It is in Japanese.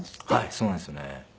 はいそうなんですよね。